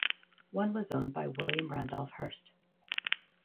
One was owned by William Randolph Hearst.